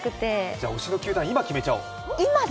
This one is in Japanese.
じゃ、推しの球団、今決めちゃおう。